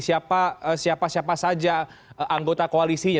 siapa siapa saja anggota koalisinya